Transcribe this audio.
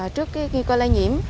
trước khi coi lây nhiễm